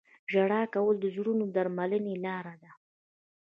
• ژړا کول د زړونو د درملنې لاره ده.